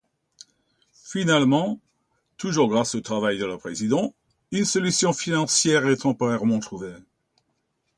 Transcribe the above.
Finalement, toujours grâce au travail de leur président, une solution financière est temporairement trouvée.